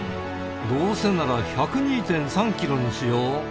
どうせなら１０２．３キロにしよう。